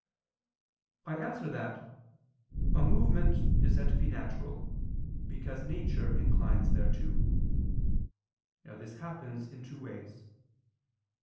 I answer that, A movement is said to be natural, because nature inclines thereto. Now this happens in two ways.